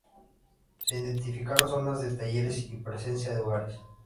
Se identificaron zonas de talleres y presencia de hogares.